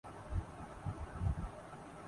مقتولین کی تعداد کیوں بڑھتی جارہی ہے؟